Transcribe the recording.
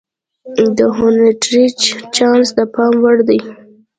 د هونټریج چانس د پام وړ دی.